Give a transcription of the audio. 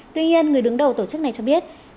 tuy nhiên người đứng đầu tổ chức này cho biết